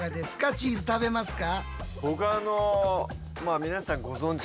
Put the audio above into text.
チーズ食べますか？